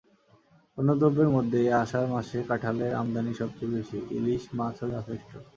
পণ্যদ্রব্যের মধ্যে এই আষাঢ় মাসে কাঁঠালের আমদানিই সব চেয়ে বেশি, ইলিশ মাছও যথেষ্ট।